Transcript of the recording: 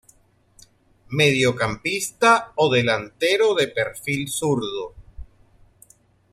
Mediocampista o delantero de perfil zurdo.